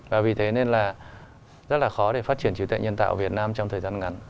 và vì thế nên là rất là khó để phát triển trí tuệ nhân tạo ở việt nam trong thời gian ngắn